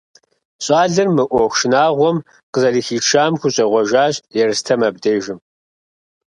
Щӏалэр мы ӏуэху шынагъуэм къызэрыхишам хущӏегъуэжащ Ерстэм абдежым.